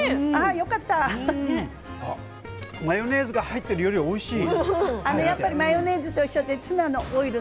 マヨネーズが入っているより、おいしい。